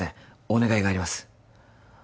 お願いがあります